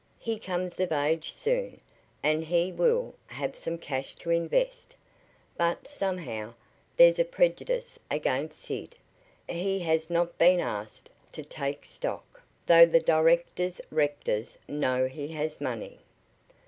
"He comes of age soon, and he will have some cash to invest. But, somehow, there's a prejudice against Sid. He has not been asked to take stock, though the directors rectors know he has money."